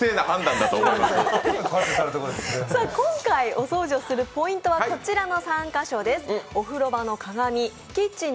今回お掃除するポイントはこちらの３カ所です。